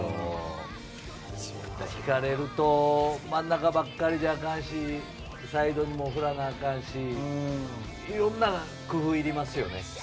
引かれると真ん中ばかりじゃあかんしサイドにも振らなあかんしいろんな工夫がいりますよね。